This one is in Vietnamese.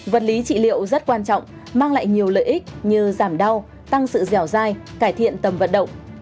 vật lý trị liệu rất quan trọng mang lại nhiều lợi ích như giảm đau tăng sự dẻo dai cải thiện tầm vận động